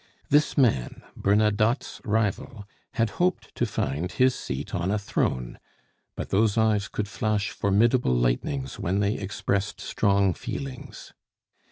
This man, Bernadotte's rival, had hoped to find his seat on a throne. But those eyes could flash formidable lightnings when they expressed strong feelings.